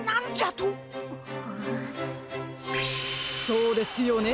そうですよね！